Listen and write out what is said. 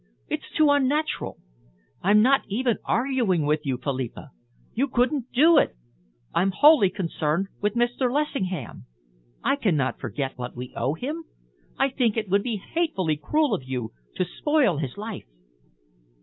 It's too unnatural! I'm not even arguing with you, Philippa. You couldn't do it! I'm wholly concerned with Mr. Lessingham. I cannot forget what we owe him. I think it would be hatefully cruel of you to spoil his life."